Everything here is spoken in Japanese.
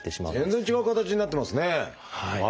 全然違う形になってますね。